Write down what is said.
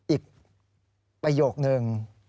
อีกประโยคนึง